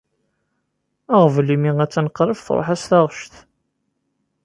Aɣbel imi attan qrib truḥ-as taɣect.